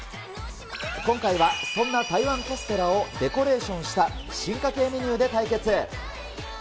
今回はそんな台湾カステラをデコレーションした進化系メニューで対決。